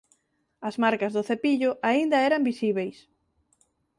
As marcas do cepillo aínda eran visíbeis…